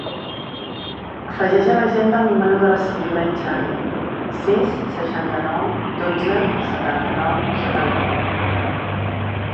Afegeix a l'agenda el número de la Sibil·la Etxabe: sis, seixanta-nou, dotze, setanta-nou, setanta-u.